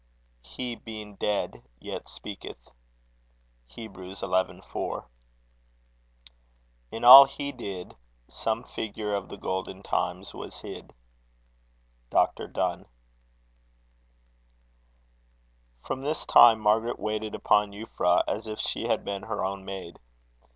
He being dead yet speaketh. HEB., xi. 4. In all 'he' did Some figure of the golden times was hid. DR. DONNE. From this time, Margaret waited upon Euphra, as if she had been her own maid.